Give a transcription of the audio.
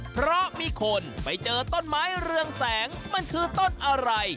เพราะมีคนไปเจอต้นไม้เรืองแสงมันคือต้นอะไร